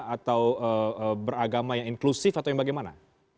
atau beragama yang inklusif atau yang bagaimana